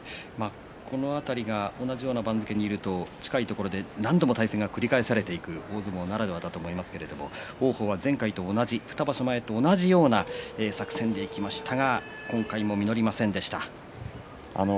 この辺りが同じような番付にいると近いところで何度も対戦が繰り返されていく大相撲ならではだと思いますが王鵬は前回２場所前と同じような作戦でいきましたが今回も実りませんでした。